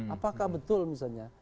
apakah betul misalnya